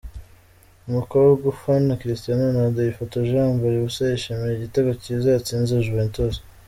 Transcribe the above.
Umukobwa ufana Cristiano Ronaldo yifotoje yambaye ubusa yishimira igitego cyiza yatsinze Juventus.